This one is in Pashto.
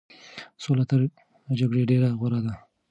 سوله تر جګړې ډېره غوره ده.